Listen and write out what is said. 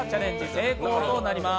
成功となります。